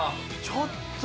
ちょっと。